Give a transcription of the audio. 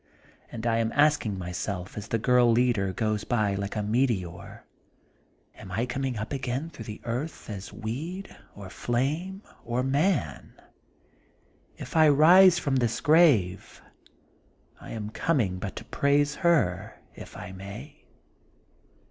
And I am asking myself as the Girl Leader goes by like a meteor: Am I coming np again through the earth as weed or flame or man t If I rii^e from this grave, I am com ing but to praise her, if I may.